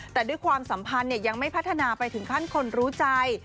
แต่ด้วยความสัมพันธ์ยังไม่พัฒนาไปถึงขั้นคนรู้ใจ